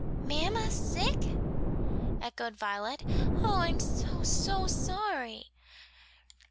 "Mamma sick?" echoed Violet. "Oh, I'm so, so sorry!"